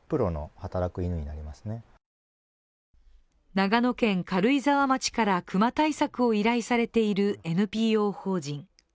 長野県軽井沢町から熊対策を依頼されているＮＰＯ法人。